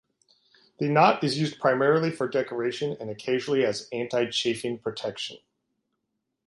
The knot is used primarily for decoration and occasionally as anti-chafing protection.